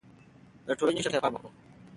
د ټولنې هر قشر ته يې پام و.